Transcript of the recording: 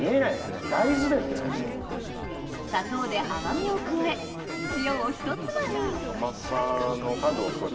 砂糖で甘みを加え塩をひとつまみ甘さの角を取る。